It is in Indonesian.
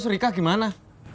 terus rika gimana